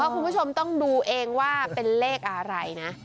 คุณผู้ชมต้องดูเองว่าเป็นเลขอะไรนะ